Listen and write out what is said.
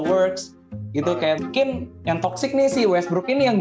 works gitu kayak mungkin yang